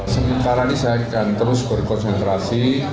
sementara ini saya akan terus berkonsentrasi